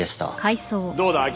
どうだ？